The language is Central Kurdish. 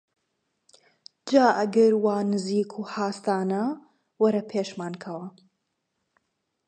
جا ئەگەر وا نزیک و هاسانە وەرە پێشمان کەوە!